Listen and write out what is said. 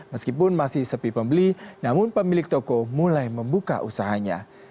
meskipun masih sepi pembeli namun pemilik toko mulai membuka usahanya